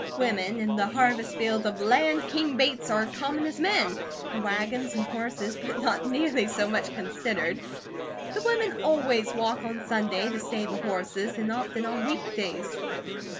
Women in the harvest fields of Land King Bates are common as men, and wagons, and horses, but not nearly so much considered. The women always walk on Sunday, to save the horses, and often on week days."